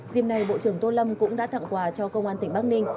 dìm này bộ trưởng tô lâm cũng đã thẳng quà cho công an tỉnh bắc ninh